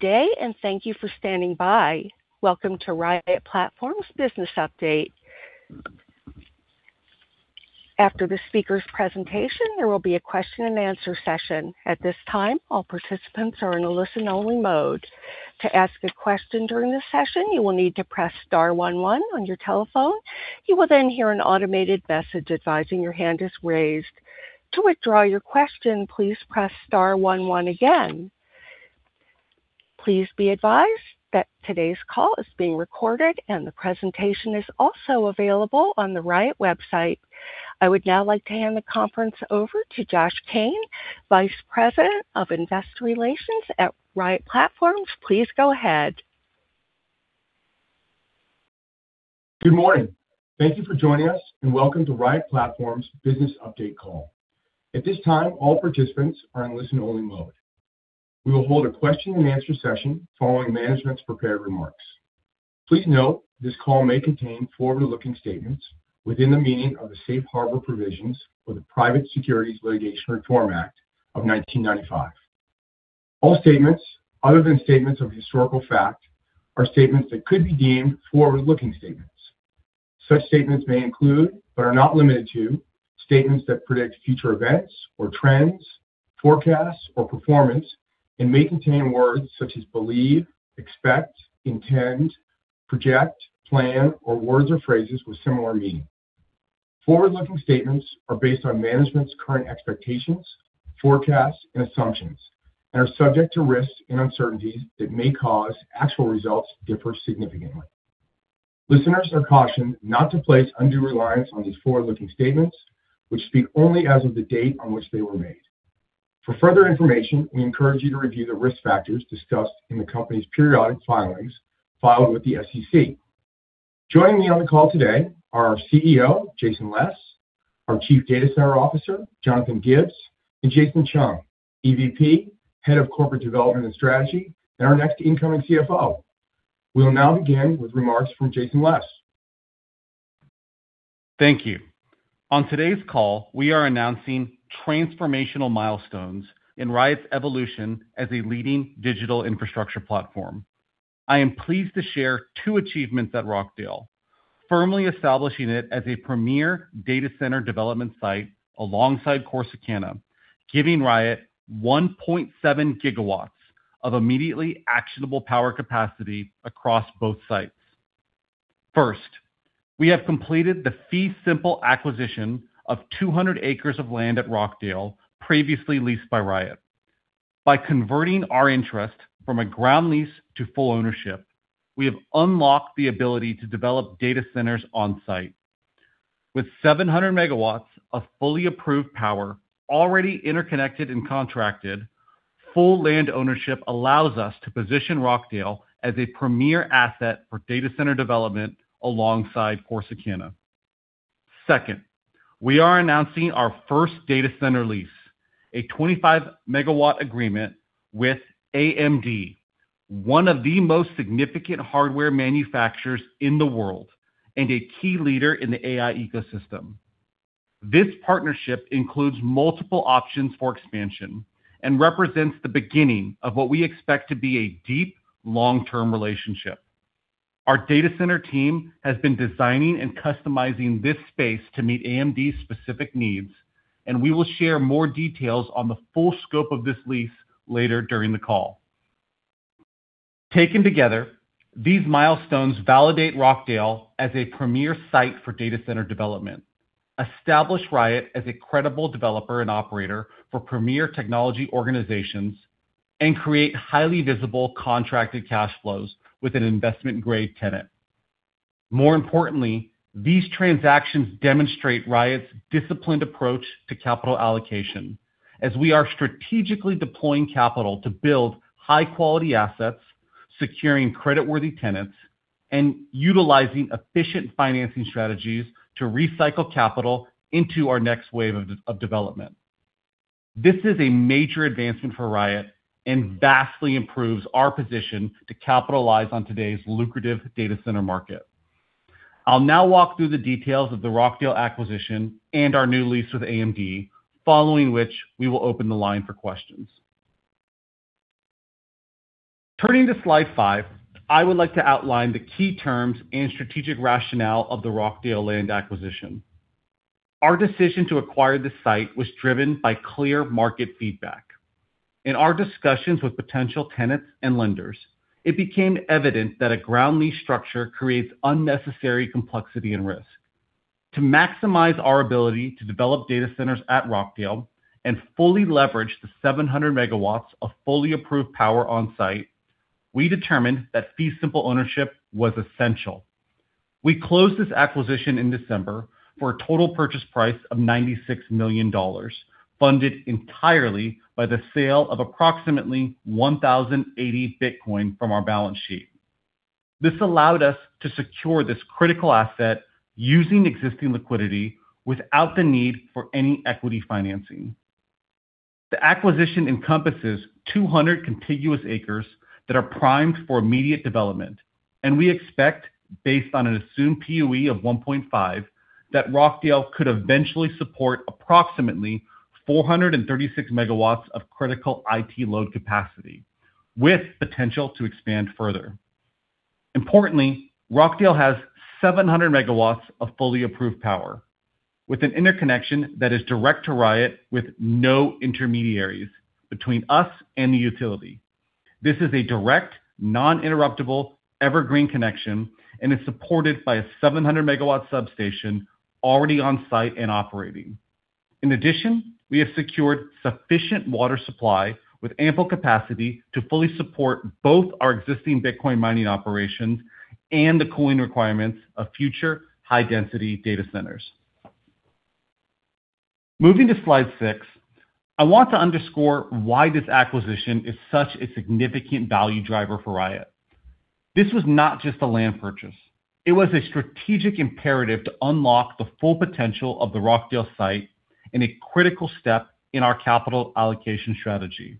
Today, and thank you for standing by. Welcome to Riot Platforms Business Update. After the speaker's presentation, there will be a question-and-answer session. At this time, all participants are in a listen-only mode. To ask a question during the session, you will need to press star 11 on your telephone. You will then hear an automated message advising your hand is raised. To withdraw your question, please press star 11 again. Please be advised that today's call is being recorded, and the presentation is also available on the Riot website. I would now like to hand the conference over to Josh Cain, Vice President of Investor Relations at Riot Platforms. Please go ahead. Good morning. Thank you for joining us, and welcome to Riot Platforms Business Update call. At this time, all participants are in listen-only mode. We will hold a question-and-answer session following management's prepared remarks. Please note this call may contain forward-looking statements within the meaning of the safe harbor provisions of the Private Securities Litigation Reform Act of 1995. All statements, other than statements of historical fact, are statements that could be deemed forward-looking statements. Such statements may include, but are not limited to, statements that predict future events or trends, forecasts or performance, and may contain words such as believe, expect, intend, project, plan, or words or phrases with similar meaning. Forward-looking statements are based on management's current expectations, forecasts, and assumptions, and are subject to risks and uncertainties that may cause actual results to differ significantly. Listeners are cautioned not to place undue reliance on these forward-looking statements, which speak only as of the date on which they were made. For further information, we encourage you to review the risk factors discussed in the company's periodic filings filed with the SEC. Joining me on the call today are our CEO, Jason Les, our Chief Data Center Officer, Jonathan Gibbs, and Jason Chung, EVP, Head of Corporate Development and Strategy, and our next incoming CFO. We'll now begin with remarks from Jason Les. Thank you. On today's call, we are announcing transformational milestones in Riot's evolution as a leading digital infrastructure platform. I am pleased to share two achievements at Rockdale, firmly establishing it as a premier data center development site alongside Corsicana, giving Riot 1.7 gigawatts of immediately actionable power capacity across both sites. First, we have completed the fee-simple acquisition of 200 acres of land at Rockdale previously leased by Riot. By converting our interest from a ground lease to full ownership, we have unlocked the ability to develop data centers on-site. With 700 megawatts of fully approved power already interconnected and contracted, full land ownership allows us to position Rockdale as a premier asset for data center development alongside Corsicana. Second, we are announcing our first data center lease, a 25-megawatt agreement with AMD, one of the most significant hardware manufacturers in the world and a key leader in the AI ecosystem. This partnership includes multiple options for expansion and represents the beginning of what we expect to be a deep, long-term relationship. Our data center team has been designing and customizing this space to meet AMD's specific needs, and we will share more details on the full scope of this lease later during the call. Taken together, these milestones validate Rockdale as a premier site for data center development, establish Riot as a credible developer and operator for premier technology organizations, and create highly visible contracted cash flows with an investment-grade tenant. More importantly, these transactions demonstrate Riot's disciplined approach to capital allocation, as we are strategically deploying capital to build high-quality assets, securing creditworthy tenants, and utilizing efficient financing strategies to recycle capital into our next wave of development. This is a major advancement for Riot and vastly improves our position to capitalize on today's lucrative data center market. I'll now walk through the details of the Rockdale acquisition and our new lease with AMD, following which we will open the line for questions. Turning to slide five, I would like to outline the key terms and strategic rationale of the Rockdale land acquisition. Our decision to acquire this site was driven by clear market feedback. In our discussions with potential tenants and lenders, it became evident that a ground lease structure creates unnecessary complexity and risk. To maximize our ability to develop data centers at Rockdale and fully leverage the 700 megawatts of fully approved power on-site, we determined that fee-simple ownership was essential. We closed this acquisition in December for a total purchase price of $96 million, funded entirely by the sale of approximately 1,080 Bitcoin from our balance sheet. This allowed us to secure this critical asset using existing liquidity without the need for any equity financing. The acquisition encompasses 200 contiguous acres that are primed for immediate development, and we expect, based on an assumed PUE of 1.5, that Rockdale could eventually support approximately 436 megawatts of critical IT load capacity, with potential to expand further. Importantly, Rockdale has 700 megawatts of fully approved power, with an interconnection that is direct to Riot with no intermediaries between us and the utility. This is a direct, non-interruptible, evergreen connection and is supported by a 700-megawatt substation already on-site and operating. In addition, we have secured sufficient water supply with ample capacity to fully support both our existing Bitcoin mining operations and the cooling requirements of future high-density data centers. Moving to slide six, I want to underscore why this acquisition is such a significant value driver for Riot. This was not just a land purchase. It was a strategic imperative to unlock the full potential of the Rockdale site and a critical step in our capital allocation strategy.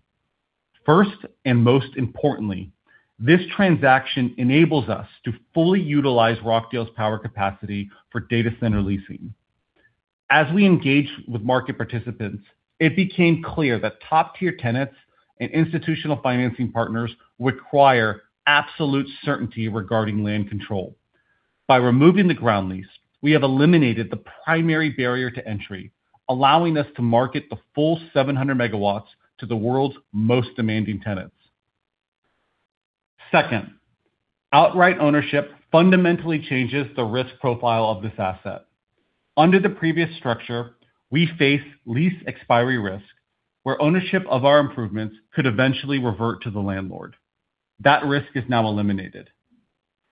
First and most importantly, this transaction enables us to fully utilize Rockdale's power capacity for data center leasing. As we engaged with market participants, it became clear that top-tier tenants and institutional financing partners require absolute certainty regarding land control. By removing the ground lease, we have eliminated the primary barrier to entry, allowing us to market the full 700 megawatts to the world's most demanding tenants. Second, outright ownership fundamentally changes the risk profile of this asset. Under the previous structure, we faced lease expiry risk, where ownership of our improvements could eventually revert to the landlord. That risk is now eliminated.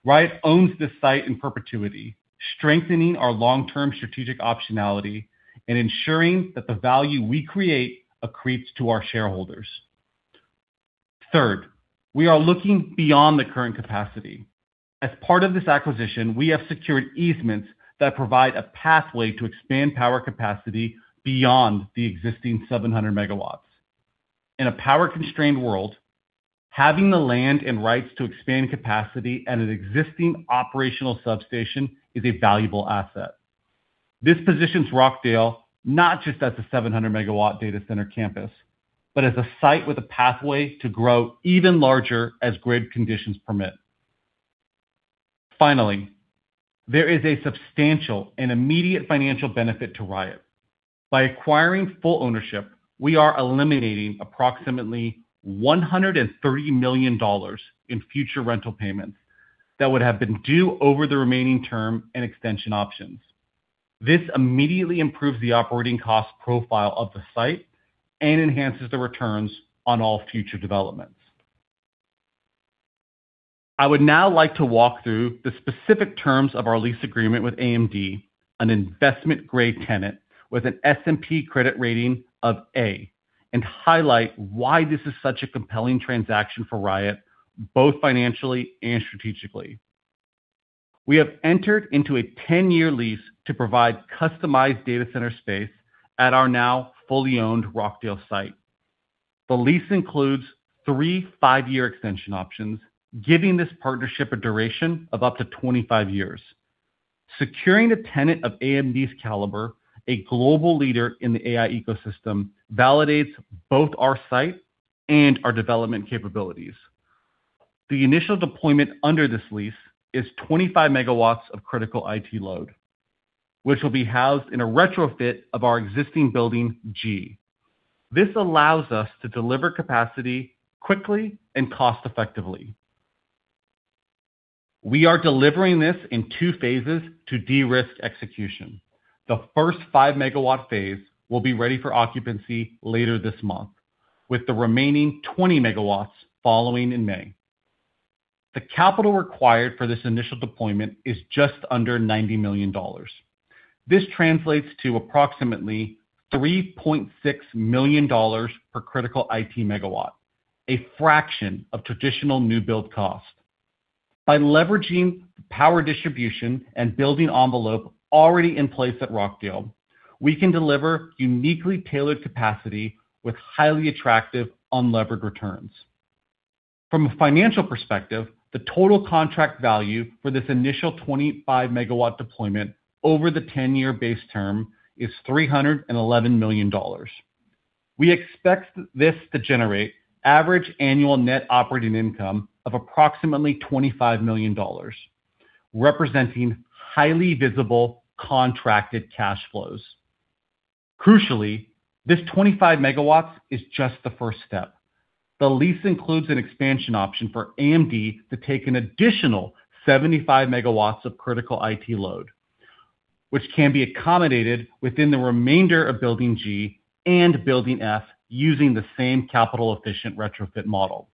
Riot owns this site in perpetuity, strengthening our long-term strategic optionality and ensuring that the value we create accretes to our shareholders. Third, we are looking beyond the current capacity. As part of this acquisition, we have secured easements that provide a pathway to expand power capacity beyond the existing 700 megawatts. In a power-constrained world, having the land and rights to expand capacity at an existing operational substation is a valuable asset. This positions Rockdale not just as a 700-megawatt data center campus, but as a site with a pathway to grow even larger as grid conditions permit. Finally, there is a substantial and immediate financial benefit to Riot. By acquiring full ownership, we are eliminating approximately $130 million in future rental payments that would have been due over the remaining term and extension options. This immediately improves the operating cost profile of the site and enhances the returns on all future developments. I would now like to walk through the specific terms of our lease agreement with AMD, an investment-grade tenant with an S&P credit rating of A, and highlight why this is such a compelling transaction for Riot, both financially and strategically. We have entered into a 10-year lease to provide customized data center space at our now fully owned Rockdale site. The lease includes three five-year extension options, giving this partnership a duration of up to 25 years. Securing a tenant of AMD's caliber, a global leader in the AI ecosystem, validates both our site and our development capabilities. The initial deployment under this lease is 25 megawatts of critical IT load, which will be housed in a retrofit of our existing Building G. This allows us to deliver capacity quickly and cost-effectively. We are delivering this in two phases to de-risk execution. The first 5-megawatt phase will be ready for occupancy later this month, with the remaining 20 megawatts following in May. The capital required for this initial deployment is just under $90 million. This translates to approximately $3.6 million per critical IT megawatt, a fraction of traditional new build cost. By leveraging power distribution and building envelope already in place at Rockdale, we can deliver uniquely tailored capacity with highly attractive unlevered returns. From a financial perspective, the total contract value for this initial 25-megawatt deployment over the 10-year base term is $311 million. We expect this to generate average annual net operating income of approximately $25 million, representing highly visible contracted cash flows. Crucially, this 25 megawatts is just the first step. The lease includes an expansion option for AMD to take an additional 75 megawatts of critical IT load, which can be accommodated within the remainder of Building G and Building F using the same capital-efficient retrofit model.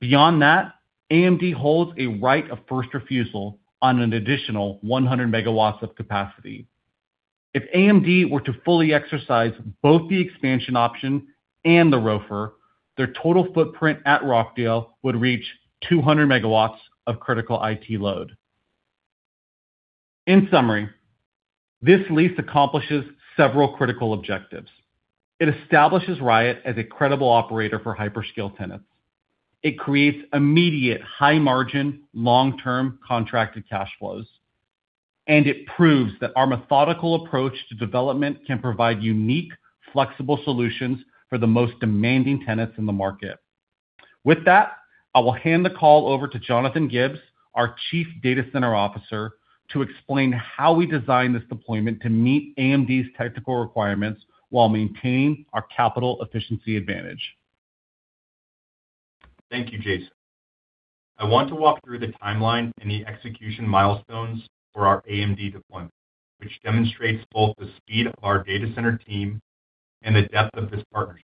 Beyond that, AMD holds a right of first refusal on an additional 100 megawatts of capacity. If AMD were to fully exercise both the expansion option and the ROFR, their total footprint at Rockdale would reach 200 megawatts of critical IT load. In summary, this lease accomplishes several critical objectives. It establishes Riot as a credible operator for hyperscale tenants. It creates immediate, high-margin, long-term contracted cash flows, and it proves that our methodical approach to development can provide unique, flexible solutions for the most demanding tenants in the market. With that, I will hand the call over to Jonathan Gibbs, our Chief Data Center Officer, to explain how we designed this deployment to meet AMD's technical requirements while maintaining our capital efficiency advantage. Thank you, Jason. I want to walk through the timeline and the execution milestones for our AMD deployment, which demonstrates both the speed of our data center team and the depth of this partnership.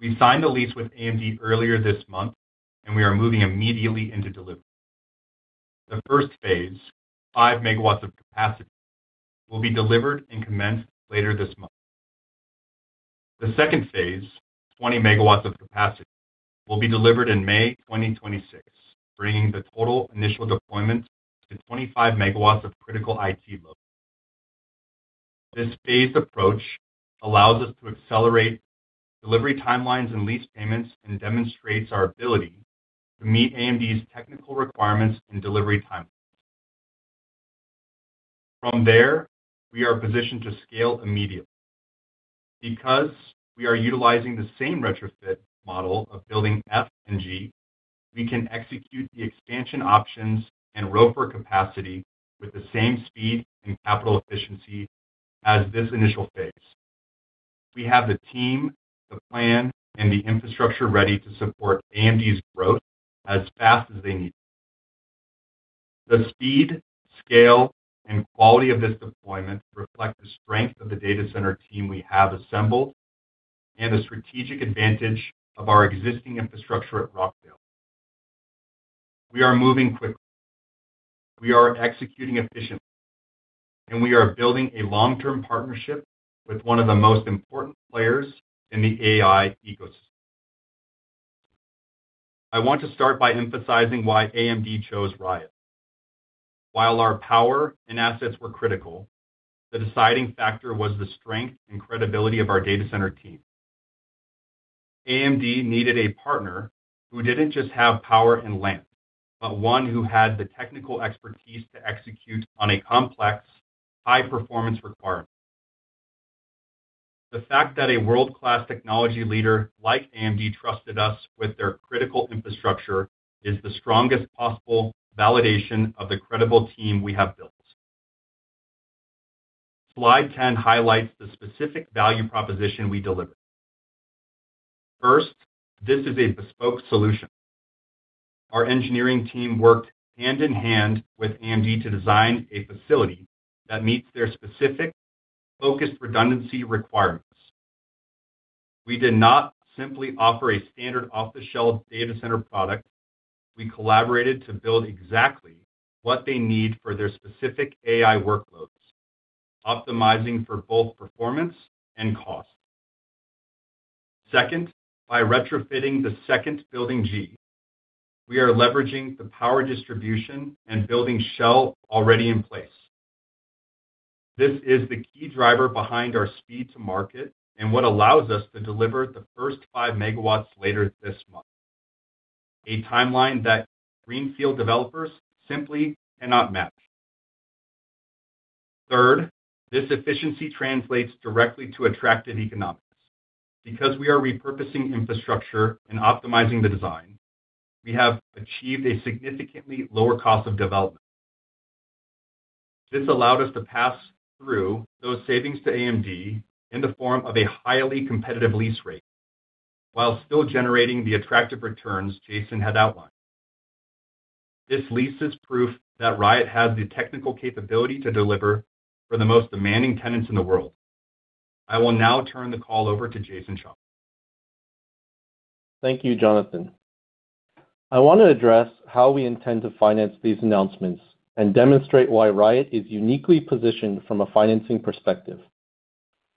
We signed the lease with AMD earlier this month, and we are moving immediately into delivery. The first phase, 5 megawatts of capacity, will be delivered and commenced later this month. The second phase, 20 megawatts of capacity, will be delivered in May 2026, bringing the total initial deployment to 25 megawatts of critical IT load. This phased approach allows us to accelerate delivery timelines and lease payments and demonstrates our ability to meet AMD's technical requirements and delivery timelines. From there, we are positioned to scale immediately. Because we are utilizing the same retrofit model of Building F and G, we can execute the expansion options and ROFR capacity with the same speed and capital efficiency as this initial phase. We have the team, the plan, and the infrastructure ready to support AMD's growth as fast as they need it. The speed, scale, and quality of this deployment reflect the strength of the data center team we have assembled and the strategic advantage of our existing infrastructure at Rockdale. We are moving quickly. We are executing efficiently, and we are building a long-term partnership with one of the most important players in the AI ecosystem. I want to start by emphasizing why AMD chose Riot. While our power and assets were critical, the deciding factor was the strength and credibility of our data center team. AMD needed a partner who didn't just have power and land, but one who had the technical expertise to execute on a complex, high-performance requirement. The fact that a world-class technology leader like AMD trusted us with their critical infrastructure is the strongest possible validation of the credible team we have built. Slide 10 highlights the specific value proposition we delivered. First, this is a bespoke solution. Our engineering team worked hand in hand with AMD to design a facility that meets their specific, focused redundancy requirements. We did not simply offer a standard off-the-shelf data center product. We collaborated to build exactly what they need for their specific AI workloads, optimizing for both performance and cost. Second, by retrofitting the second Building G, we are leveraging the power distribution and building shell already in place. This is the key driver behind our speed to market and what allows us to deliver the first five megawatts later this month, a timeline that greenfield developers simply cannot match. Third, this efficiency translates directly to attractive economics. Because we are repurposing infrastructure and optimizing the design, we have achieved a significantly lower cost of development. This allowed us to pass through those savings to AMD in the form of a highly competitive lease rate, while still generating the attractive returns Jason had outlined. This lease is proof that Riot has the technical capability to deliver for the most demanding tenants in the world. I will now turn the call over to Jason Chung. Thank you, Jonathan. I want to address how we intend to finance these announcements and demonstrate why Riot is uniquely positioned from a financing perspective.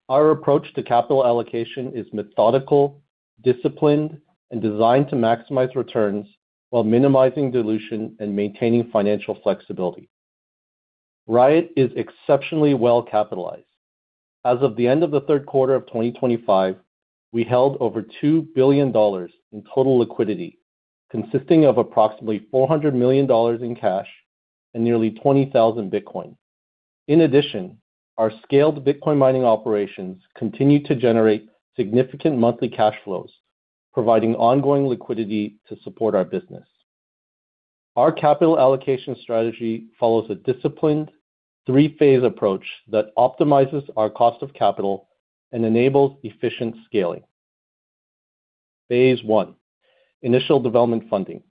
Our approach to capital allocation is methodical, disciplined, and designed to maximize returns while minimizing dilution and maintaining financial flexibility. Riot is exceptionally well capitalized. As of the end of the Q3 of 2025, we held over $2 billion in total liquidity, consisting of approximately $400 million in cash and nearly 20,000 Bitcoin. In addition, our scaled Bitcoin mining operations continue to generate significant monthly cash flows, providing ongoing liquidity to support our business. Our capital allocation strategy follows a disciplined, three-phase approach that optimizes our cost of capital and enables efficient scaling. Phase one: initial development funding.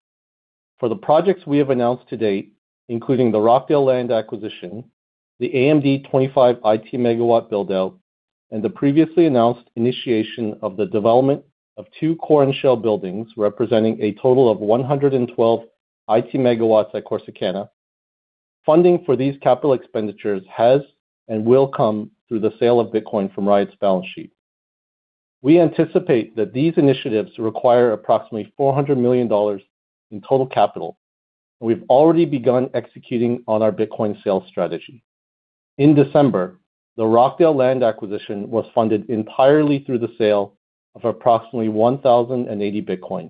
For the projects we have announced to date, including the Rockdale land acquisition, the AMD 25 IT megawatt buildout, and the previously announced initiation of the development of two core and shell buildings representing a total of 112 IT megawatts at Corsicana, funding for these capital expenditures has and will come through the sale of Bitcoin from Riot's balance sheet. We anticipate that these initiatives require approximately $400 million in total capital, and we've already begun executing on our Bitcoin sales strategy. In December, the Rockdale land acquisition was funded entirely through the sale of approximately 1,080 Bitcoin.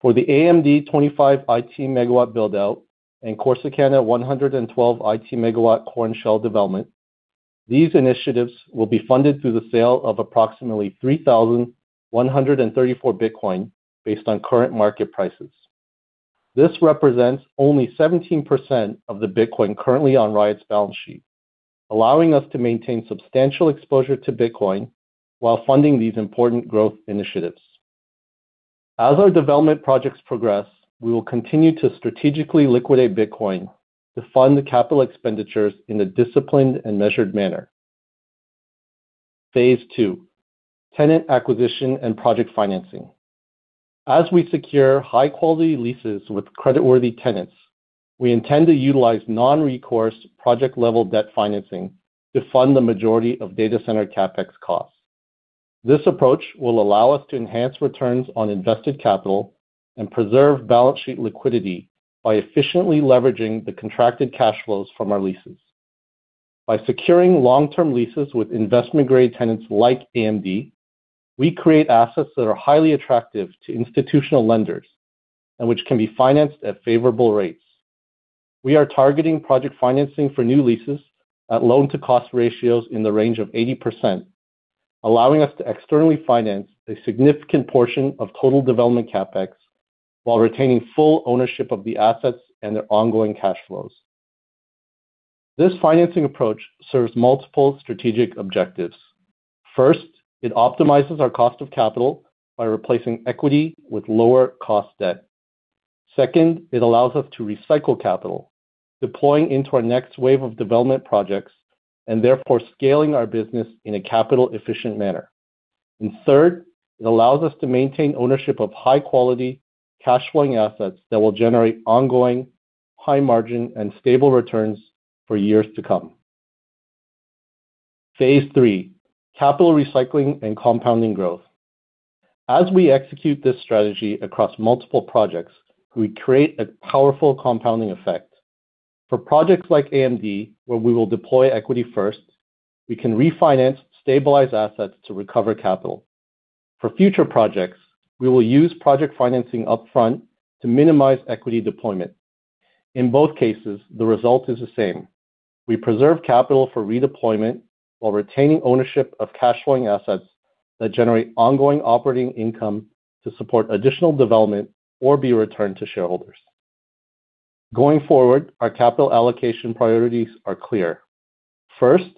For the AMD 25 IT megawatt buildout and Corsicana 112 IT megawatt core and shell development, these initiatives will be funded through the sale of approximately 3,134 Bitcoin based on current market prices. This represents only 17% of the Bitcoin currently on Riot's balance sheet, allowing us to maintain substantial exposure to Bitcoin while funding these important growth initiatives. As our development projects progress, we will continue to strategically liquidate Bitcoin to fund the capital expenditures in a disciplined and measured manner. Phase two: tenant acquisition and project financing. As we secure high-quality leases with creditworthy tenants, we intend to utilize non-recourse project-level debt financing to fund the majority of data center CapEx costs. This approach will allow us to enhance returns on invested capital and preserve balance sheet liquidity by efficiently leveraging the contracted cash flows from our leases. By securing long-term leases with investment-grade tenants like AMD, we create assets that are highly attractive to institutional lenders and which can be financed at favorable rates. We are targeting project financing for new leases at loan-to-cost ratios in the range of 80%, allowing us to externally finance a significant portion of total development CapEx while retaining full ownership of the assets and their ongoing cash flows. This financing approach serves multiple strategic objectives. First, it optimizes our cost of capital by replacing equity with lower-cost debt. Second, it allows us to recycle capital, deploying into our next wave of development projects and therefore scaling our business in a capital-efficient manner. And third, it allows us to maintain ownership of high-quality, cash-flowing assets that will generate ongoing, high-margin, and stable returns for years to come. Phase three: capital recycling and compounding growth. As we execute this strategy across multiple projects, we create a powerful compounding effect. For projects like AMD, where we will deploy equity first, we can refinance stabilized assets to recover capital. For future projects, we will use project financing upfront to minimize equity deployment. In both cases, the result is the same. We preserve capital for redeployment while retaining ownership of cash-flowing assets that generate ongoing operating income to support additional development or be returned to shareholders. Going forward, our capital allocation priorities are clear. First,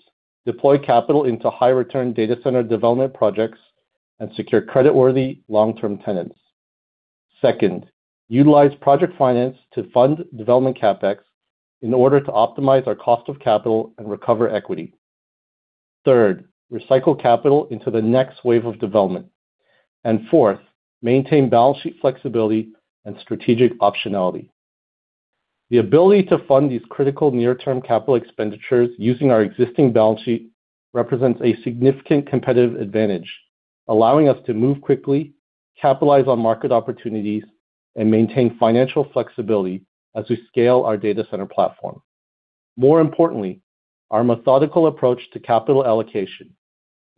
deploy capital into high-return data center development projects and secure creditworthy, long-term tenants. Second, utilize project finance to fund development CapEx in order to optimize our cost of capital and recover equity. Third, recycle capital into the next wave of development, and fourth, maintain balance sheet flexibility and strategic optionality. The ability to fund these critical near-term capital expenditures using our existing balance sheet represents a significant competitive advantage, allowing us to move quickly, capitalize on market opportunities, and maintain financial flexibility as we scale our data center platform. More importantly, our methodical approach to capital allocation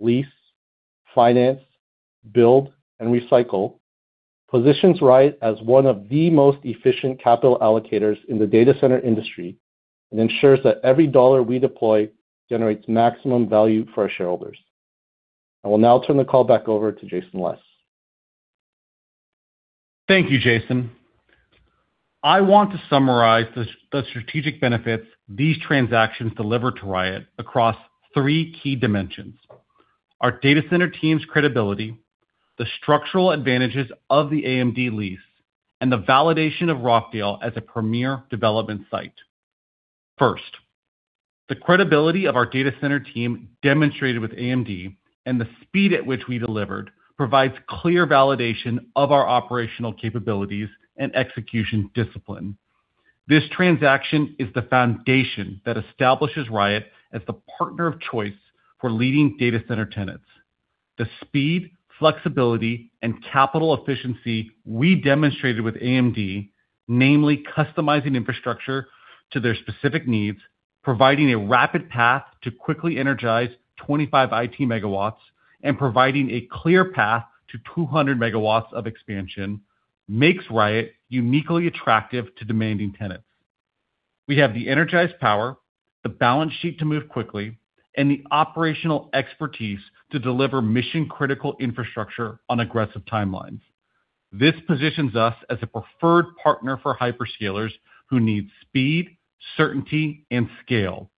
(lease, finance, build, and recycle) positions Riot as one of the most efficient capital allocators in the data center industry and ensures that every dollar we deploy generates maximum value for our shareholders. I will now turn the call back over to Jason Les. Thank you, Jason. I want to summarize the strategic benefits these transactions deliver to Riot across three key dimensions: our data center team's credibility, the structural advantages of the AMD lease, and the validation of Rockdale as a premier development site. First, the credibility of our data center team demonstrated with AMD and the speed at which we delivered provides clear validation of our operational capabilities and execution discipline. This transaction is the foundation that establishes Riot as the partner of choice for leading data center tenants. The speed, flexibility, and capital efficiency we demonstrated with AMD, namely customizing infrastructure to their specific needs, providing a rapid path to quickly energize 25 IT megawatts, and providing a clear path to 200 megawatts of expansion, makes Riot uniquely attractive to demanding tenants. We have the energized power, the balance sheet to move quickly, and the operational expertise to deliver mission-critical infrastructure on aggressive timelines. This positions us as a preferred partner for hyperscalers who need speed, certainty, and scale.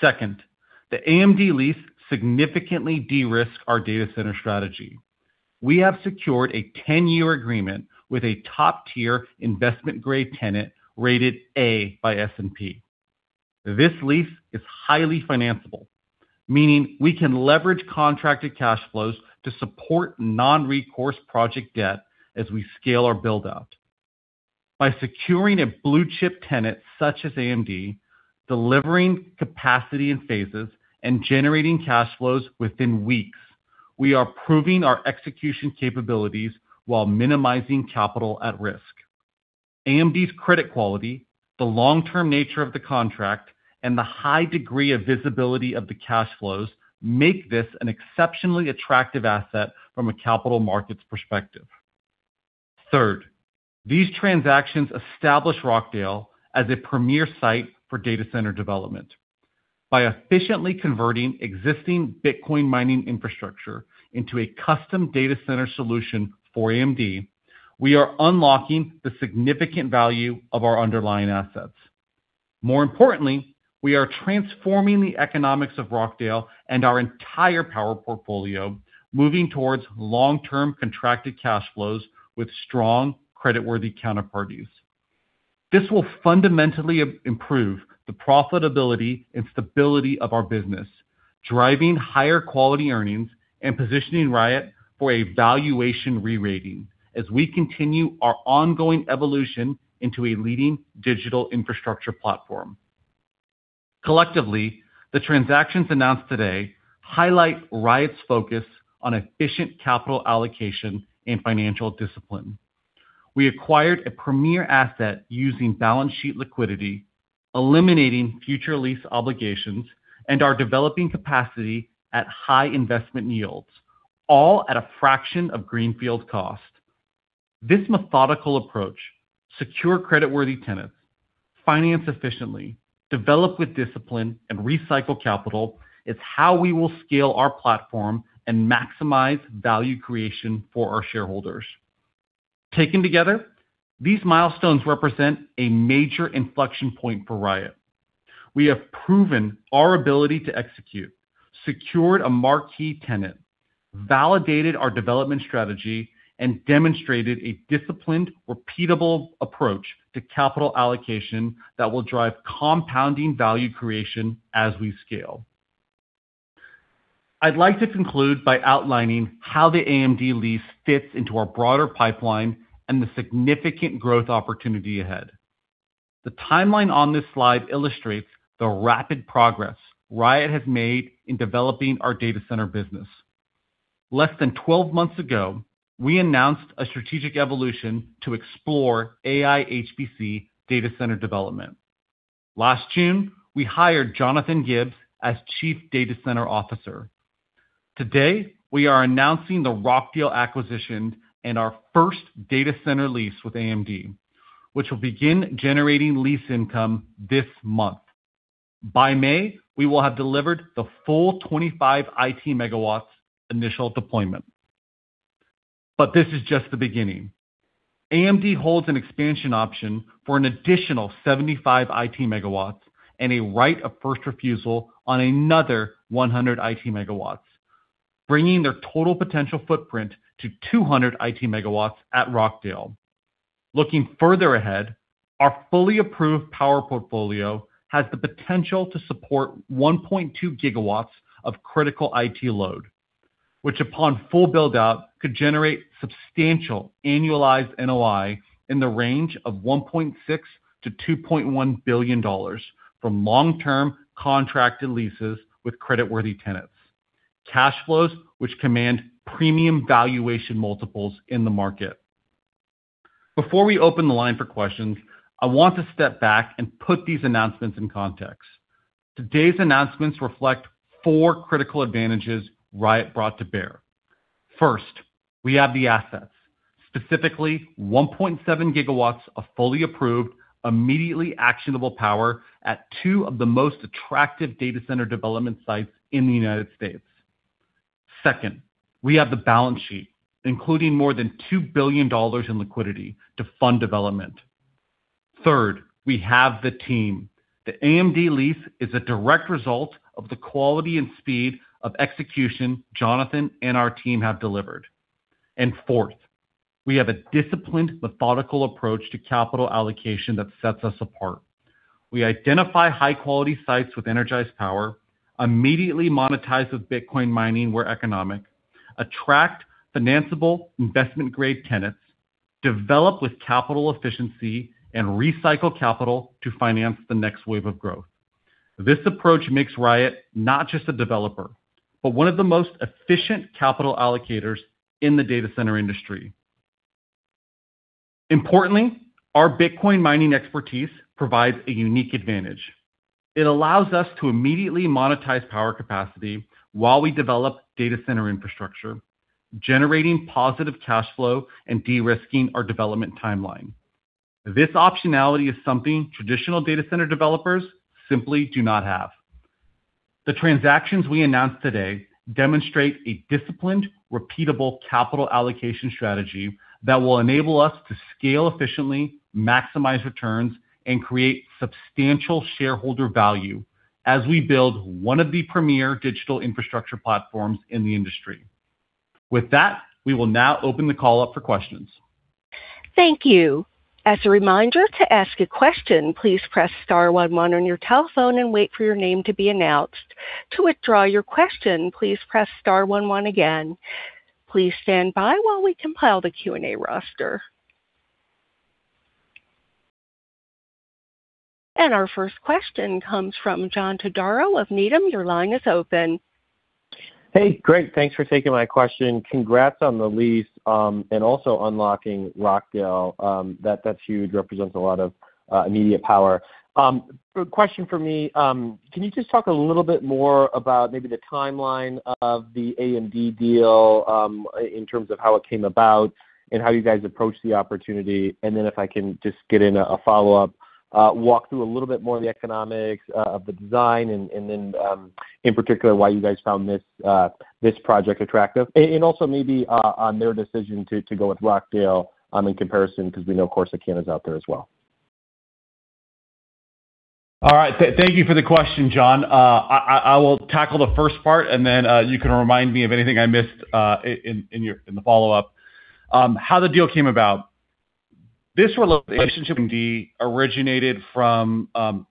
Second, the AMD lease significantly de-risked our data center strategy. We have secured a 10-year agreement with a top-tier investment-grade tenant rated A by S&P. This lease is highly financeable, meaning we can leverage contracted cash flows to support non-recourse project debt as we scale our buildout. By securing a blue-chip tenant such as AMD, delivering capacity in phases, and generating cash flows within weeks, we are proving our execution capabilities while minimizing capital at risk. AMD's credit quality, the long-term nature of the contract, and the high degree of visibility of the cash flows make this an exceptionally attractive asset from a capital markets perspective. Third, these transactions establish Rockdale as a premier site for data center development. By efficiently converting existing Bitcoin mining infrastructure into a custom data center solution for AMD, we are unlocking the significant value of our underlying assets. More importantly, we are transforming the economics of Rockdale and our entire power portfolio, moving towards long-term contracted cash flows with strong, creditworthy counterparties. This will fundamentally improve the profitability and stability of our business, driving higher quality earnings and positioning Riot for a valuation re-rating as we continue our ongoing evolution into a leading digital infrastructure platform. Collectively, the transactions announced today highlight Riot's focus on efficient capital allocation and financial discipline. We acquired a premier asset using balance sheet liquidity, eliminating future lease obligations, and are developing capacity at high investment yields, all at a fraction of greenfield cost. This methodical approach (secure creditworthy tenants, finance efficiently, develop with discipline, and recycle capital) is how we will scale our platform and maximize value creation for our shareholders. Taken together, these milestones represent a major inflection point for Riot. We have proven our ability to execute, secured a marquee tenant, validated our development strategy, and demonstrated a disciplined, repeatable approach to capital allocation that will drive compounding value creation as we scale. I'd like to conclude by outlining how the AMD lease fits into our broader pipeline and the significant growth opportunity ahead. The timeline on this slide illustrates the rapid progress Riot has made in developing our data center business. Less than 12 months ago, we announced a strategic evolution to explore AI HPC data center development. Last June, we hired Jonathan Gibbs as Chief Data Center Officer. Today, we are announcing the Rockdale acquisition and our first data center lease with AMD, which will begin generating lease income this month. By May, we will have delivered the full 25 IT megawatts initial deployment. But this is just the beginning. AMD holds an expansion option for an additional 75 IT megawatts and a right of first refusal on another 100 IT megawatts, bringing their total potential footprint to 200 IT megawatts at Rockdale. Looking further ahead, our fully approved power portfolio has the potential to support 1.2 gigawatts of critical IT load, which, upon full buildout, could generate substantial annualized NOI in the range of $1.6-$2.1 billion from long-term contracted leases with creditworthy tenants, cash flows which command premium valuation multiples in the market. Before we open the line for questions, I want to step back and put these announcements in context. Today's announcements reflect four critical advantages Riot brought to bear. First, we have the assets, specifically 1.7 gigawatts of fully approved, immediately actionable power at two of the most attractive data center development sites in the United States. Second, we have the balance sheet, including more than $2 billion in liquidity to fund development. Third, we have the team. The AMD lease is a direct result of the quality and speed of execution Jonathan and our team have delivered. And fourth, we have a disciplined, methodical approach to capital allocation that sets us apart. We identify high-quality sites with energized power, immediately monetize with Bitcoin mining where economic, attract financeable investment-grade tenants, develop with capital efficiency, and recycle capital to finance the next wave of growth. This approach makes Riot not just a developer, but one of the most efficient capital allocators in the data center industry. Importantly, our Bitcoin mining expertise provides a unique advantage. It allows us to immediately monetize power capacity while we develop data center infrastructure, generating positive cash flow and de-risking our development timeline. This optionality is something traditional data center developers simply do not have. The transactions we announced today demonstrate a disciplined, repeatable capital allocation strategy that will enable us to scale efficiently, maximize returns, and create substantial shareholder value as we build one of the premier digital infrastructure platforms in the industry. With that, we will now open the call up for questions. Thank you. As a reminder, to ask a question, please press star 11 on your telephone and wait for your name to be announced. To withdraw your question, please press star 11 again. Please stand by while we compile the Q&A roster. And our first question comes from John Todaro of Needham. Your line is open. Hey, great. Thanks for taking my question. Congrats on the lease and also unlocking Rockdale. That's huge. Represents a lot of immediate power. Question for me, can you just talk a little bit more about maybe the timeline of the AMD deal in terms of how it came about and how you guys approached the opportunity? And then if I can just get in a follow-up, walk through a little bit more of the economics of the design and then, in particular, why you guys found this project attractive and also maybe on their decision to go with Rockdale in comparison because we know, of course, that Canada is out there as well. All right. Thank you for the question, John. I will tackle the first part, and then you can remind me of anything I missed in the follow-up. How the deal came about. This relationship with AMD originated from the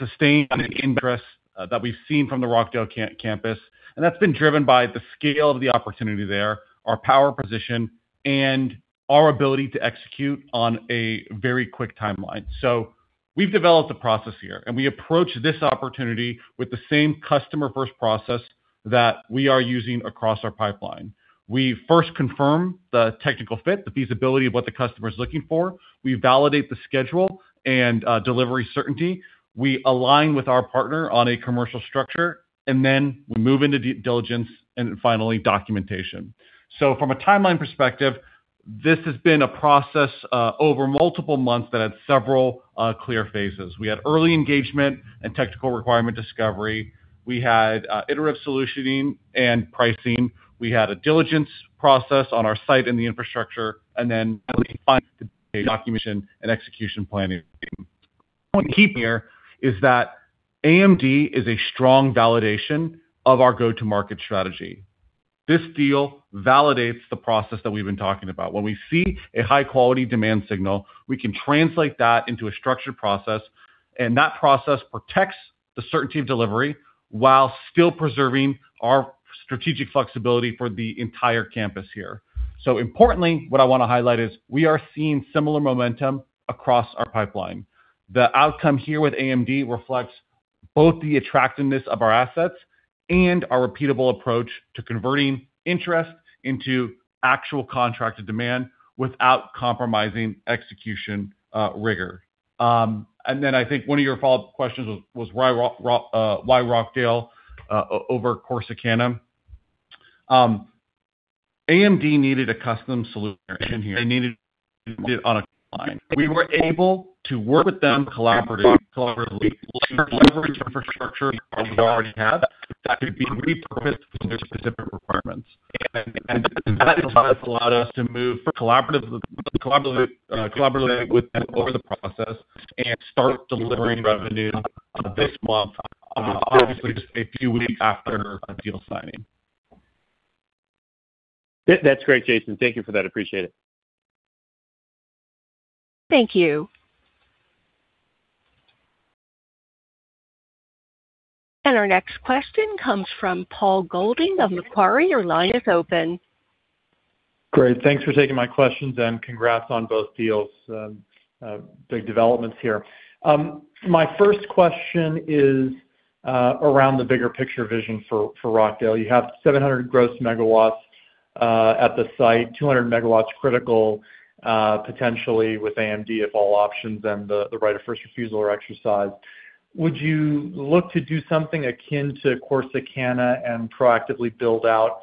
sustained interest that we've seen from the Rockdale campus, and that's been driven by the scale of the opportunity there, our power position, and our ability to execute on a very quick timeline. So we've developed a process here, and we approach this opportunity with the same customer-first process that we are using across our pipeline. We first confirm the technical fit, the feasibility of what the customer is looking for. We validate the schedule and delivery certainty. We align with our partner on a commercial structure, and then we move into due diligence and finally documentation. From a timeline perspective, this has been a process over multiple months that had several clear phases. We had early engagement and technical requirement discovery. We had iterative solutioning and pricing. We had a diligence process on our site and the infrastructure, and then finally documentation and execution planning. I want to keep here is that AMD is a strong validation of our go-to-market strategy. This deal validates the process that we've been talking about. When we see a high-quality demand signal, we can translate that into a structured process, and that process protects the certainty of delivery while still preserving our strategic flexibility for the entire campus here. Importantly, what I want to highlight is we are seeing similar momentum across our pipeline. The outcome here with AMD reflects both the attractiveness of our assets and our repeatable approach to converting interest into actual contracted demand without compromising execution rigor. And then I think one of your follow-up questions was why Rockdale over Corsicana. AMD needed a custom solution here. They needed it on a timeline. We were able to work with them collaboratively to leverage infrastructure we already had that could be repurposed for their specific requirements. And that allowed us to move collaboratively with them over the process and start delivering revenue this month, obviously just a few weeks after the deal signing. That's great, Jason. Thank you for that. Appreciate it. Thank you. And our next question comes from Paul Golding of Macquarie. Your line is open. Great. Thanks for taking my questions, and congrats on both deals. Big developments here. My first question is around the bigger picture vision for Rockdale. You have 700 gross megawatts at the site, 200 megawatts critical potentially with AMD if all options and the right of first refusal are exercised. Would you look to do something akin to Corsicana and proactively build out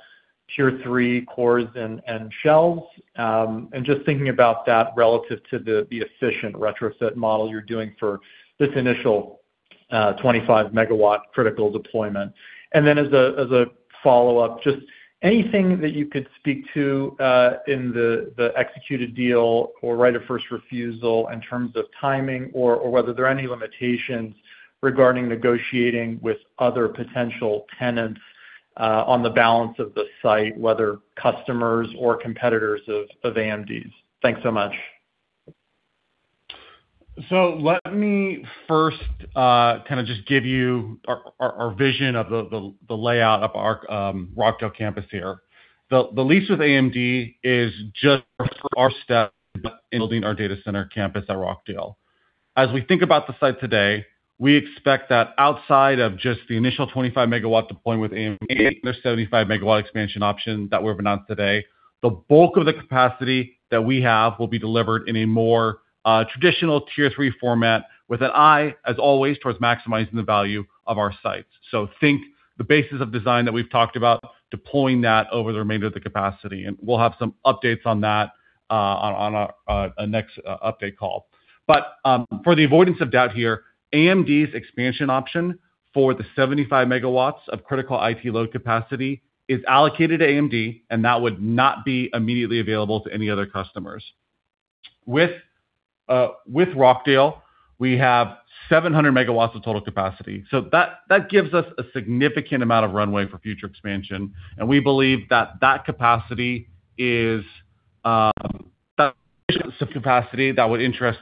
Tier 3 cores and shells? And just thinking about that relative to the efficient retrofit model you're doing for this initial 25-megawatt critical deployment. And then as a follow-up, just anything that you could speak to in the executed deal or right of first refusal in terms of timing or whether there are any limitations regarding negotiating with other potential tenants on the balance of the site, whether customers or competitors of AMD's? Thanks so much. So let me first kind of just give you our vision of the layout of our Rockdale campus here. The lease with AMD is just our step in building our data center campus at Rockdale. As we think about the site today, we expect that outside of just the initial 25-megawatt deployment with AMD and their 75-megawatt expansion option that we've announced today, the bulk of the capacity that we have will be delivered in a more traditional Tier 3 format with an eye, as always, towards maximizing the value of our sites. So think the basis of design that we've talked about, deploying that over the remainder of the capacity. And we'll have some updates on that on our next update call. But for the avoidance of doubt here, AMD's expansion option for the 75 megawatts of critical IT load capacity is allocated to AMD, and that would not be immediately available to any other customers. With Rockdale, we have 700 megawatts of total capacity. So that gives us a significant amount of runway for future expansion. And we believe that capacity is that capacity that would interest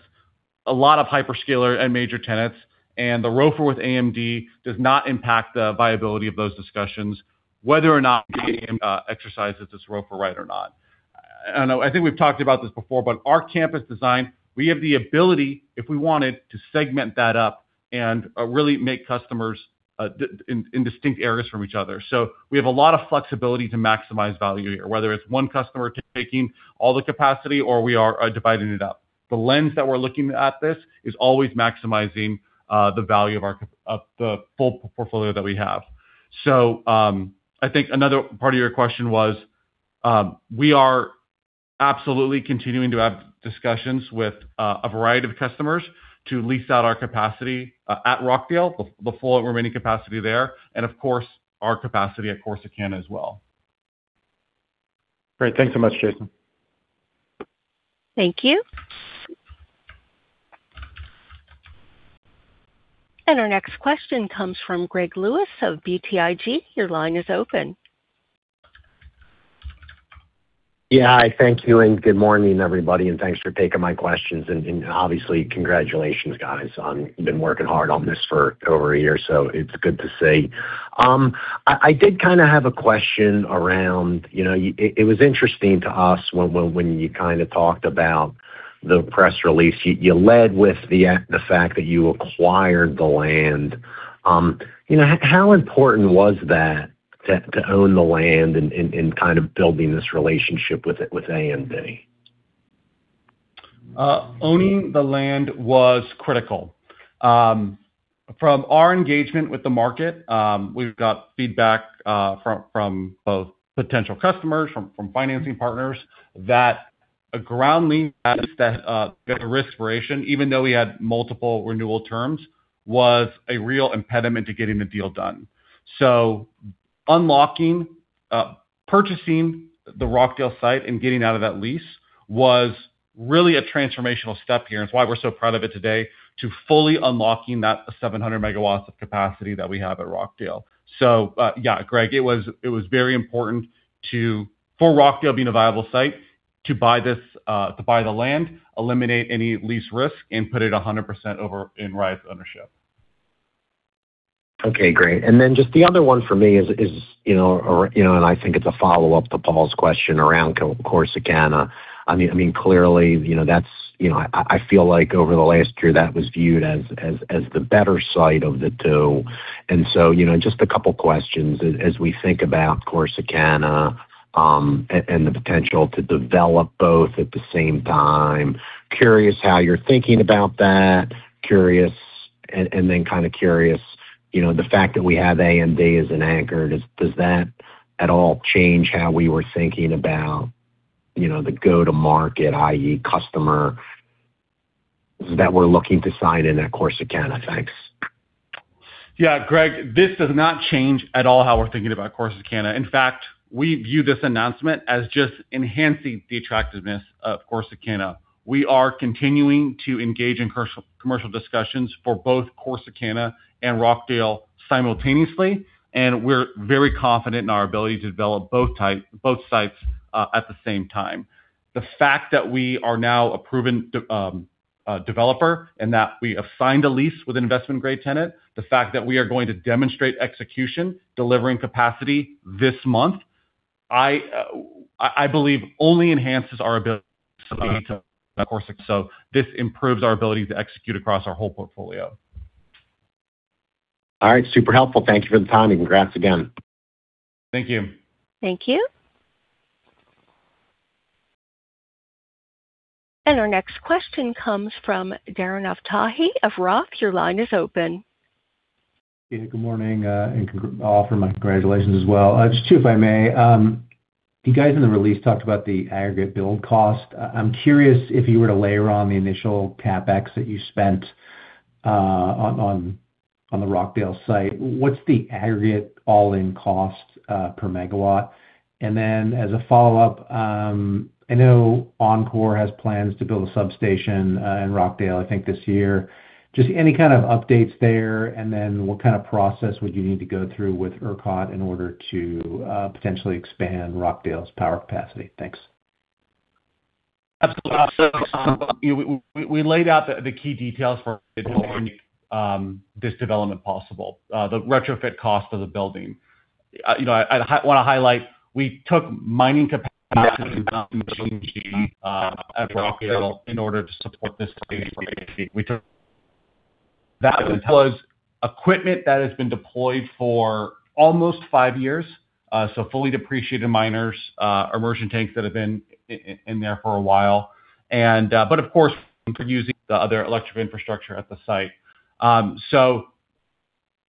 a lot of hyperscalers and major tenants. And the ROFO with AMD does not impact the viability of those discussions, whether or not AMD exercises its ROFO right or not. I think we've talked about this before, but our campus design, we have the ability, if we wanted, to segment that up and really make customers in distinct areas from each other. So we have a lot of flexibility to maximize value here, whether it's one customer taking all the capacity or we are dividing it up. The lens that we're looking at this is always maximizing the value of the full portfolio that we have. So I think another part of your question was we are absolutely continuing to have discussions with a variety of customers to lease out our capacity at Rockdale, the full remaining capacity there, and of course, our capacity at Corsicana as well. Great. Thanks so much, Jason. Thank you. And our next question comes from Greg Lewis of BTIG. Your line is open. Yeah. Hi. Thank you. And good morning, everybody. And thanks for taking my questions. And obviously, congratulations, guys. You've been working hard on this for over a year, so it's good to see. I did kind of have a question around it. It was interesting to us when you kind of talked about the press release. You led with the fact that you acquired the land. How important was that to own the land and kind of building this relationship with AMD? Owning the land was critical. From our engagement with the market, we've got feedback from both potential customers, from financing partners, that a ground lease that had a risk variation, even though we had multiple renewal terms, was a real impediment to getting the deal done. So unlocking, purchasing the Rockdale site, and getting out of that lease was really a transformational step here, and it's why we're so proud of it today, to fully unlocking that 700 megawatts of capacity that we have at Rockdale. So yeah, Greg, it was very important for Rockdale being a viable site to buy the land, eliminate any lease risk, and put it 100% over in Riot's ownership. Okay. Great. And then just the other one for me is, and I think it's a follow-up to Paul's question around Corsicana. I mean, clearly, that's I feel like over the last year, that was viewed as the better side of the two. And so just a couple of questions as we think about Corsicana and the potential to develop both at the same time. Curious how you're thinking about that. And then kind of curious the fact that we have AMD as an anchor. Does that at all change how we were thinking about the go-to-market, i.e., customer that we're looking to sign in at Corsicana? Thanks. Yeah. Greg, this does not change at all how we're thinking about Corsicana. In fact, we view this announcement as just enhancing the attractiveness of Corsicana. We are continuing to engage in commercial discussions for both Corsicana and Rockdale simultaneously, and we're very confident in our ability to develop both sites at the same time. The fact that we are now a proven developer and that we have signed a lease with an investment-grade tenant, the fact that we are going to demonstrate execution, delivering capacity this month, I believe only enhances our ability to. So this improves our ability to execute across our whole portfolio. All right. Super helpful. Thank you for the time. And congrats again. Thank you. Thank you. And our next question comes from Darren Aftahi of Roth. Your line is open. Hey, good morning, and I'll offer my congratulations as well. Just to, if I may, you guys in the release talked about the aggregate build cost. I'm curious if you were to layer on the initial CapEx that you spent on the Rockdale site, what's the aggregate all-in cost per megawatt? And then as a follow-up, I know Oncor has plans to build a substation in Rockdale, I think, this year. Just any kind of updates there? And then what kind of process would you need to go through with ERCOT in order to potentially expand Rockdale's power capacity? Thanks. Absolutely. So we laid out the key details for making this development possible: the retrofit cost of the building. I want to highlight we took mining capacity at Rockdale in order to support this space. That was equipment that has been deployed for almost five years, so fully depreciated miners, immersion tanks that have been in there for a while. But of course, we're using the other electric infrastructure at the site. So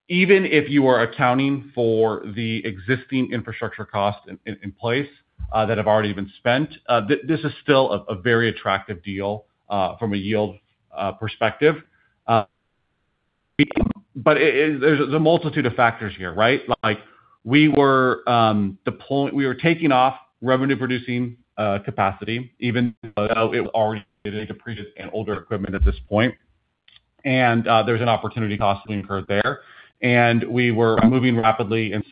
even if you are accounting for the existing infrastructure cost in place that have already been spent, this is still a very attractive deal from a yield perspective. But there's a multitude of factors here, right? We were taking off revenue-producing capacity, even though it was already depreciated and older equipment at this point. And we were moving rapidly and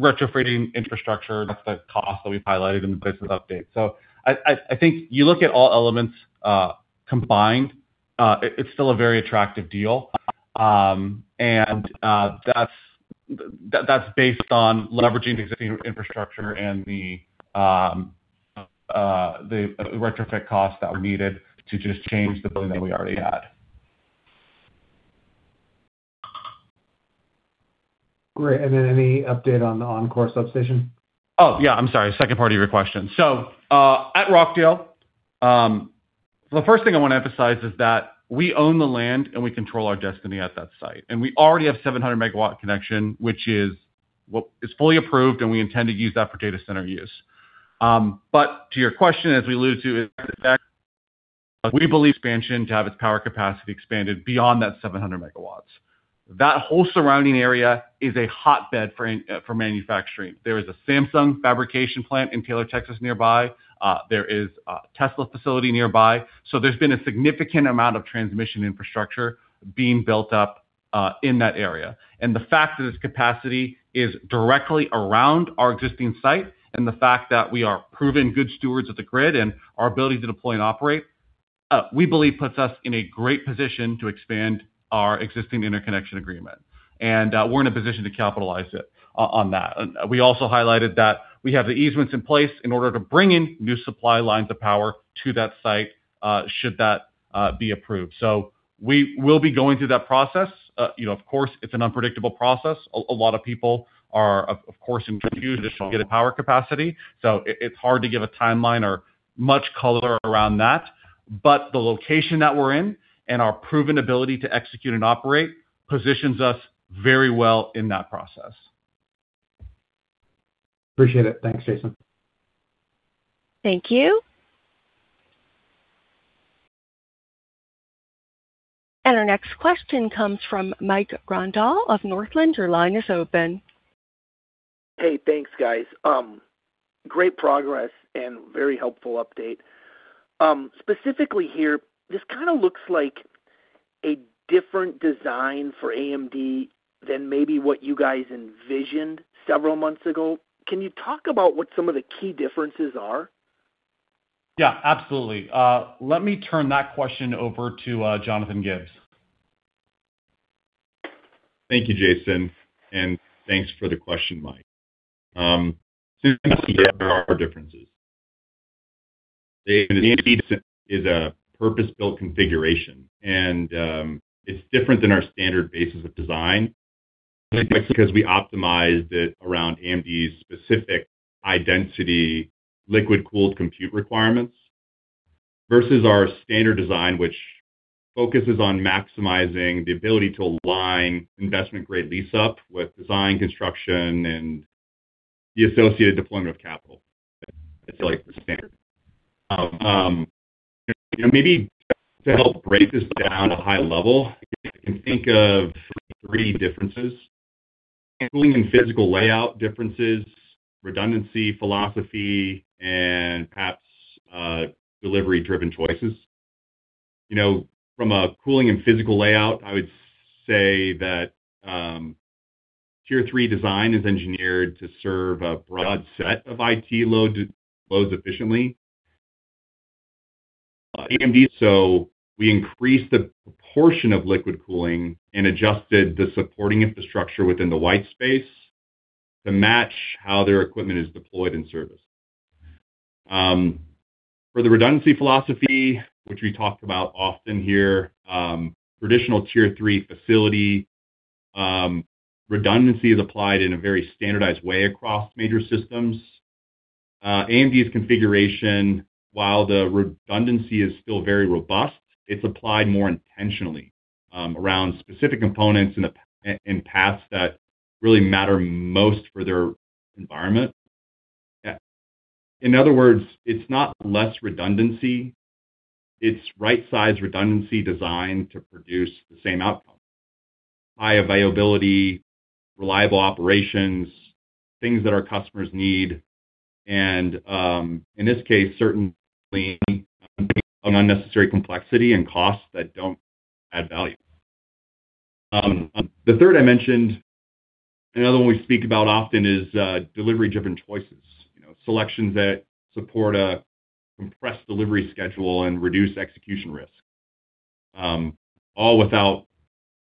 retrofitting infrastructure. That's the cost that we've highlighted in the business update. So I think you look at all elements combined, it's still a very attractive deal. And that's based on leveraging existing infrastructure and the retrofit cost that we needed to just change the building that we already had. Great. And then any update on the Oncor substation? Oh, yeah. I'm sorry. Second part of your question. So at Rockdale, the first thing I want to emphasize is that we own the land and we control our destiny at that site. And we already have a 700-megawatt connection, which is fully approved, and we intend to use that for data center use. But to your question, as we allude to, we believe expansion to have its power capacity expanded beyond that 700 megawatts. That whole surrounding area is a hotbed for manufacturing. There is a Samsung fabrication plant in Taylor, Texas, nearby. There is a Tesla facility nearby. So there's been a significant amount of transmission infrastructure being built up in that area. The fact that its capacity is directly around our existing site and the fact that we are proven good stewards of the grid and our ability to deploy and operate, we believe puts us in a great position to expand our existing interconnection agreement. We're in a position to capitalize on that. We also highlighted that we have the easements in place in order to bring in new supply lines of power to that site should that be approved. We will be going through that process. Of course, it's an unpredictable process. A lot of people are, of course, confused to get a power capacity. It's hard to give a timeline or much color around that. The location that we're in and our proven ability to execute and operate positions us very well in that process. Appreciate it. Thanks, Jason. Thank you. And our next question comes from Mike Grondahl of Northland. Your line is open. Hey, thanks, guys. Great progress and very helpful update. Specifically here, this kind of looks like a different design for AMD than maybe what you guys envisioned several months ago. Can you talk about what some of the key differences are? Yeah, absolutely. Let me turn that question over to Jonathan Gibbs. Thank you, Jason. And thanks for the question, Mike. Simply, yeah, there are differences. The AMD is a purpose-built configuration, and it's different than our standard basis of design simply because we optimized it around AMD's specific high-density liquid-cooled compute requirements versus our standard design, which focuses on maximizing the ability to align investment-grade lease-up with design, construction, and the associated deployment of capital. That's the standard. Maybe to help break this down at a high level, I can think of three differences: cooling and physical layout differences, redundancy, philosophy, and perhaps delivery-driven choices. From a cooling and physical layout, I would say that Tier 3 design is engineered to serve a broad set of IT loads efficiently. AMD, so we increased the proportion of liquid cooling and adjusted the supporting infrastructure within the white space to match how their equipment is deployed and serviced. For the redundancy philosophy, which we talked about often here, traditional Tier 3 facility redundancy is applied in a very standardized way across major systems. AMD's configuration, while the redundancy is still very robust, it's applied more intentionally around specific components and paths that really matter most for their environment. In other words, it's not less redundancy. It's right-sized redundancy designed to produce the same outcome: high availability, reliable operations, things that our customers need, and in this case, certainly an unnecessary complexity and cost that don't add value. The third I mentioned, another one we speak about often, is delivery-driven choices, selections that support a compressed delivery schedule and reduce execution risk, all without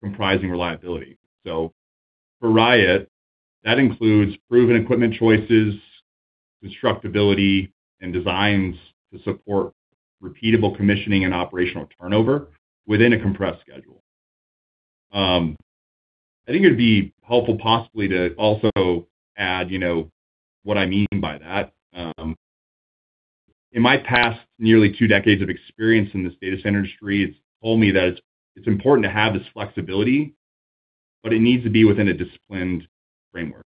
compromising reliability. So for Riot, that includes proven equipment choices, constructability, and designs to support repeatable commissioning and operational turnover within a compressed schedule. I think it'd be helpful possibly to also add what I mean by that. In my past nearly two decades of experience in this data center industry, it's told me that it's important to have this flexibility, but it needs to be within a disciplined framework.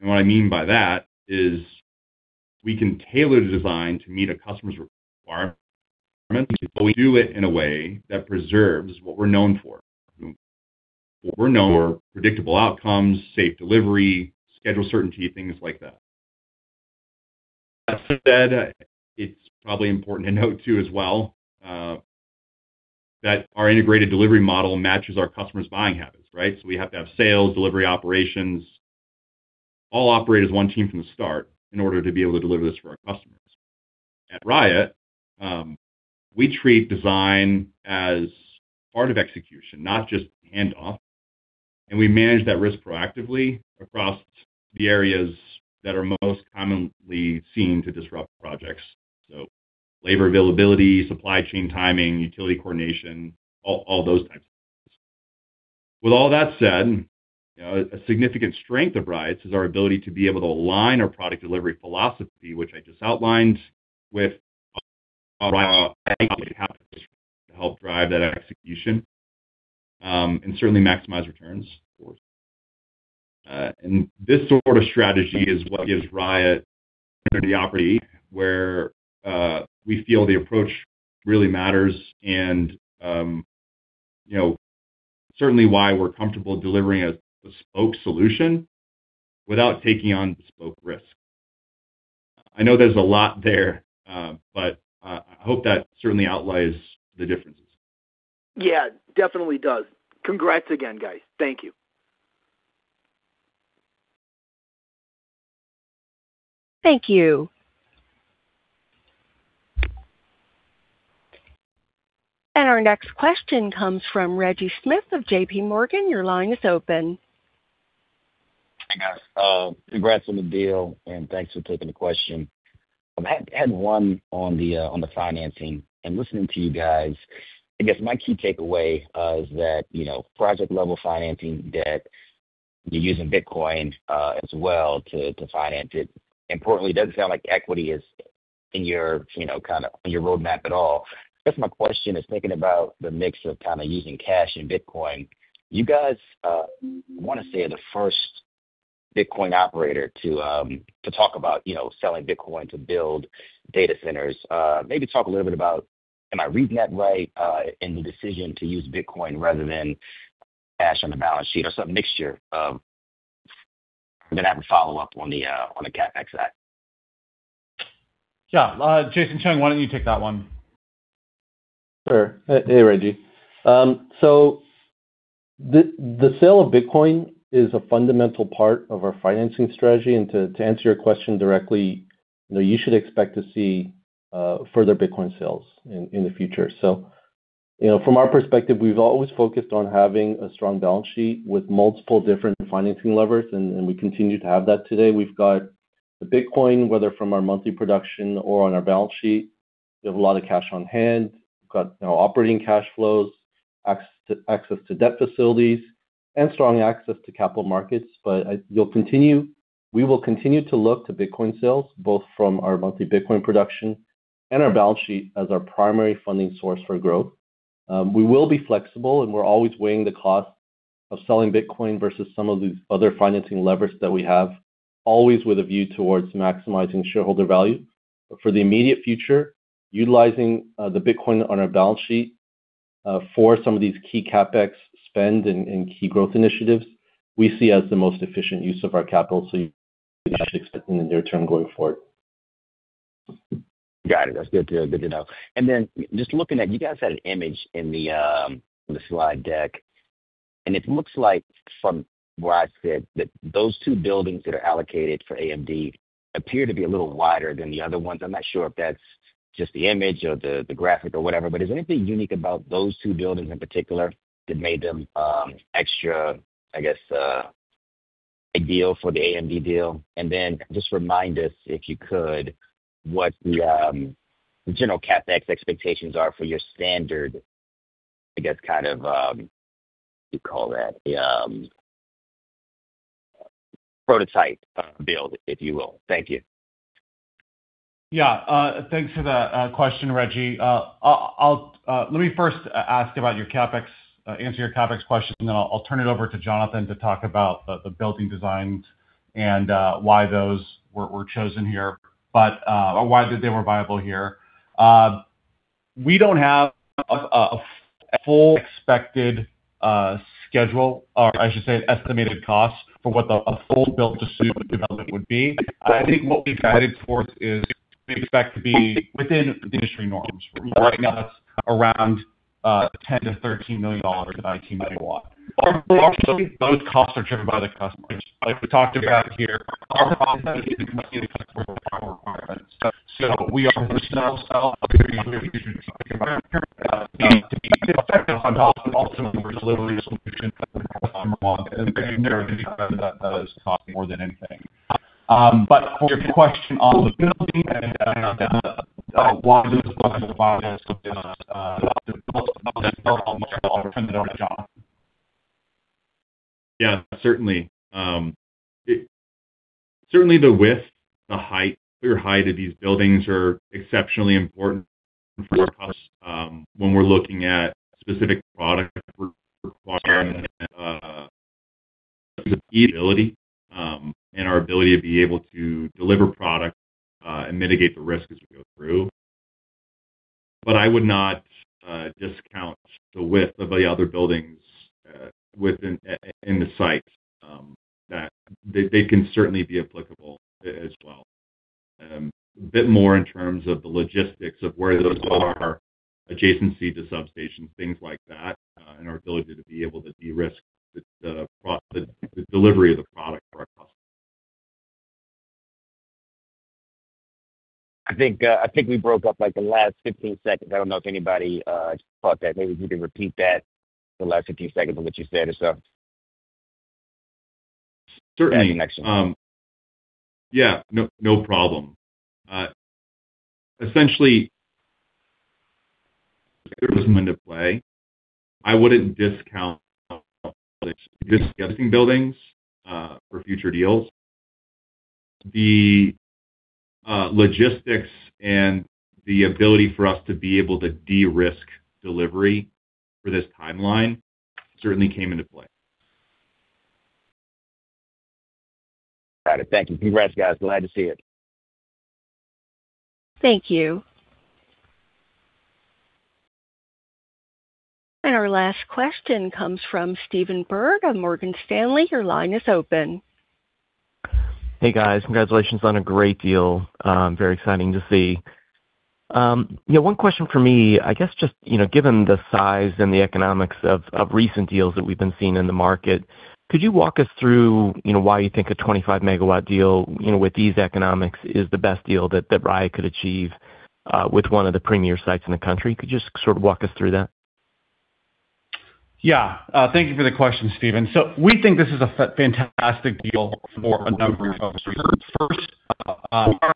And what I mean by that is we can tailor the design to meet a customer's requirement, but we do it in a way that preserves what we're known for. We're known for predictable outcomes, safe delivery, schedule certainty, things like that. That said, it's probably important to note too as well that our integrated delivery model matches our customers' buying habits, right? So we have to have sales, delivery operations, all operate as one team from the start in order to be able to deliver this for our customers. At Riot, we treat design as part of execution, not just handoff. We manage that risk proactively across the areas that are most commonly seen to disrupt projects. Labor availability, supply chain timing, utility coordination, all those types of things. With all that said, a significant strength of Riot's is our ability to be able to align our product delivery philosophy, which I just outlined, with Riot's path to help drive that execution and certainly maximize returns, of course. This sort of strategy is what gives Riot the opportunity where we feel the approach really matters and certainly why we're comfortable delivering a bespoke solution without taking on bespoke risk. I know there's a lot there, but I hope that certainly outlines the differences. Yeah, definitely does. Congrats again, guys. Thank you. Thank you. And our next question comes from Reggie Smith of JPMorgan. Your line is open. Hey, guys. Congrats on the deal, and thanks for taking the question. I had one on the financing, and listening to you guys, I guess my key takeaway is that project-level financing debt, you're using Bitcoin as well to finance it. Importantly, it doesn't sound like equity is in your kind of on your roadmap at all. I guess my question is thinking about the mix of kind of using cash and Bitcoin. You guys want to say you're the first Bitcoin operator to talk about selling Bitcoin to build data centers. Maybe talk a little bit about, am I reading that right in the decision to use Bitcoin rather than cash on the balance sheet or some mixture of, and then have a follow-up on the CapEx side? Yeah. Jason Chung, why don't you take that one? Sure. Hey, Reggie. So the sale of Bitcoin is a fundamental part of our financing strategy. And to answer your question directly, you should expect to see further Bitcoin sales in the future. So from our perspective, we've always focused on having a strong balance sheet with multiple different financing levers, and we continue to have that today. We've got the Bitcoin, whether from our monthly production or on our balance sheet, we have a lot of cash on hand. We've got operating cash flows, access to debt facilities, and strong access to capital markets. But we will continue to look to Bitcoin sales, both from our monthly Bitcoin production and our balance sheet as our primary funding source for growth. We will be flexible, and we're always weighing the cost of selling Bitcoin versus some of these other financing levers that we have, always with a view towards maximizing shareholder value. But for the immediate future, utilizing the Bitcoin on our balance sheet for some of these key CapEx spend and key growth initiatives, we see as the most efficient use of our capital. So you should expect in the near term going forward. Got it. That's good to know. And then just looking at you guys had an image in the slide deck. And it looks like from what I said, that those two buildings that are allocated for AMD appear to be a little wider than the other ones. I'm not sure if that's just the image or the graphic or whatever. But is there anything unique about those two buildings in particular that made them extra, I guess, ideal for the AMD deal? And then just remind us, if you could, what the general CapEx expectations are for your standard, I guess, kind of, what do you call that, prototype build, if you will. Thank you. Yeah. Thanks for that question, Reggie. Let me first address your CapEx, answer your CapEx question, and then I'll turn it over to Jonathan to talk about the building designs and why those were chosen here or why they were viable here. We don't have a full expected schedule, or I should say an estimated cost for what a full build-out data center development would be. I think what we've headed towards is we expect to be within industry norms. Right now, that's around $10-$13 million per IT megawatt. Partially, those costs are driven by the customer. Like we talked about here, our costs are driven by the customer's power requirements. So we are a shell seller. We're going to be effective on delivery solutions that the customer wants. And there are things that that is costing more than anything. But your question on the building and why those projects are viable is something that's much more important than our job. Yeah, certainly. Certainly, the width, the height, clear height of these buildings are exceptionally important for our costs when we're looking at specific product requirements and the feasibility and our ability to be able to deliver product and mitigate the risk as we go through. But I would not discount the width of the other buildings in the site that they can certainly be applicable as well. A bit more in terms of the logistics of where those are, adjacency to substations, things like that, and our ability to be able to de-risk the delivery of the product for our customers. I think we broke up like the last 15 seconds. I don't know if anybody thought that. Maybe if you could repeat that, the last 15 seconds of what you said or so. Certainly. Yeah. No problem. Essentially, there was some wind at play. I wouldn't discount the existing buildings for future deals. The logistics and the ability for us to be able to de-risk delivery for this timeline certainly came into play. Got it. Thank you. Congrats, guys. Glad to see it. Thank you. And our last question comes from Stephen Byrd of Morgan Stanley. Your line is open. Hey, guys. Congratulations on a great deal. Very exciting to see. One question for me, I guess just given the size and the economics of recent deals that we've been seeing in the market, could you walk us through why you think a 25-megawatt deal with these economics is the best deal that Riot could achieve with one of the premier sites in the country? Could you just sort of walk us through that? Yeah. Thank you for the question, Stephen. So we think this is a fantastic deal for a number of reasons. First,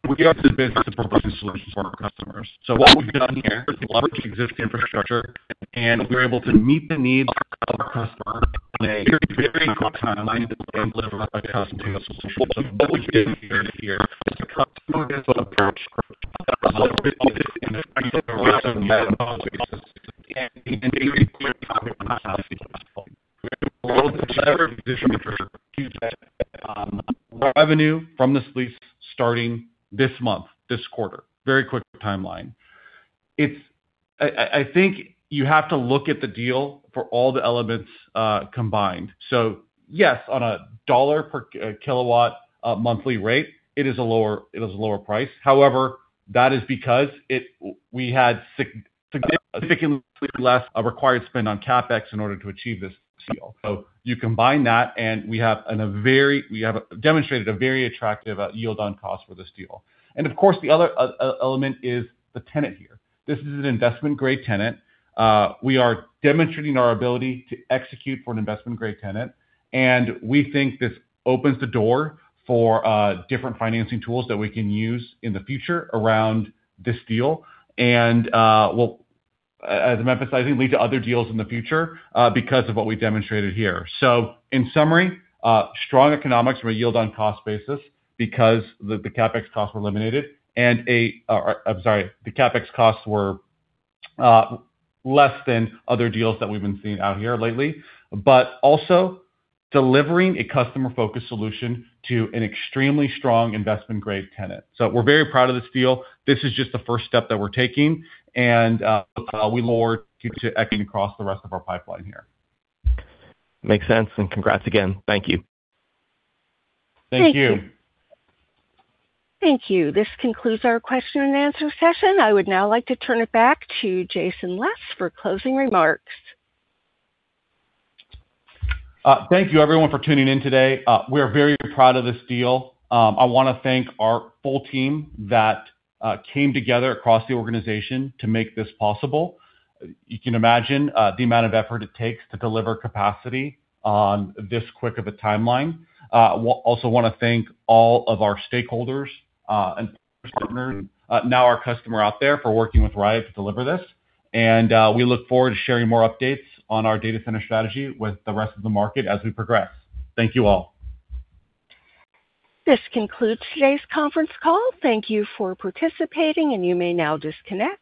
we are in the business of providing solutions for our customers. So what we've done here is leverage existing infrastructure, and we're able to meet the needs of our customer in a very complex timeline delivered by custom solutions. So what we've been doing here is a customer-based approach that delivers in a very complex and very quick timeline. We're able to deliver this revenue from this lease starting this month, this quarter. Very quick timeline. I think you have to look at the deal for all the elements combined. So yes, on a $ per kilowatt monthly rate, it is a lower price. However, that is because we had significantly less required spend on CapEx in order to achieve this deal. So you combine that, and we have demonstrated a very attractive yield on cost for this deal. And of course, the other element is the tenant here. This is an investment-grade tenant. We are demonstrating our ability to execute for an investment-grade tenant. And we think this opens the door for different financing tools that we can use in the future around this deal and will, as I'm emphasizing, lead to other deals in the future because of what we demonstrated here. So in summary, strong economics from a yield on cost basis because the CapEx costs were eliminated and, I'm sorry, the CapEx costs were less than other deals that we've been seeing out here lately. But also delivering a customer-focused solution to an extremely strong investment-grade tenant. So we're very proud of this deal. This is just the first step that we're taking, and we look forward to executing across the rest of our pipeline here. Makes sense. And congrats again. Thank you. Thank you. Thank you. This concludes our question and answer session. I would now like to turn it back to Jason Les for closing remarks. Thank you, everyone, for tuning in today. We are very proud of this deal. I want to thank our full team that came together across the organization to make this possible. You can imagine the amount of effort it takes to deliver capacity on this quick of a timeline. I also want to thank all of our stakeholders and partners, now our customer out there for working with Riot to deliver this. And we look forward to sharing more updates on our data center strategy with the rest of the market as we progress. Thank you all. This concludes today's conference call. Thank you for participating, and you may now disconnect.